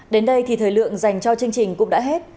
đến đây thì thời lượng dành cho chương trình cũng đã hết